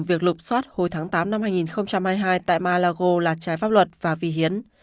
việc lục xoát hồi tháng tám năm hai nghìn hai mươi hai tại malago là trái pháp luật và vi hiến